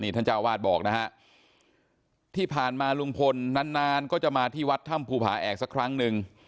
ท่านเจ้าวาดบอกนะฮะที่ผ่านมาลุงพลนานนานก็จะมาที่วัดถ้ำภูผาแอกสักครั้งหนึ่ง